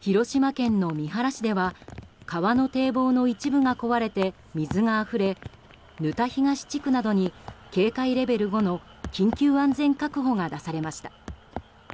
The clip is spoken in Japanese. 広島県の三原市では川の堤防の一部が壊れて水があふれ、沼田東地区などに警戒レベル５の緊急安全確保が出されました。